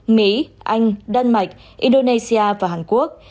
mỹ anh đan mạch indonesia và hàn quốc